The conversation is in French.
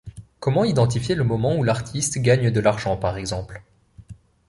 Comment identifier le moment où l’artiste gagne de l’argent, par exemple ?